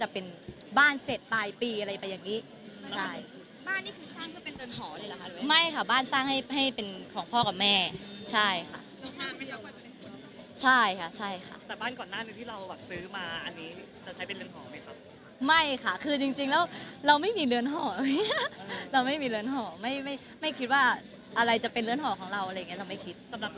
เพราะเราก็แบบอยู่ในวงการอยู่ตอนนี้